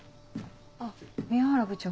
あっ宮原部長。